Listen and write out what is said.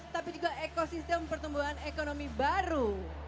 tapi juga ekosistem pertumbuhan ekonomi baru